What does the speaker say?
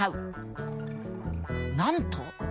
なんと。